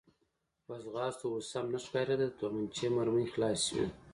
په ځغاسته و او سم نه ښکارېده، د تومانچې مرمۍ خلاصې شوې.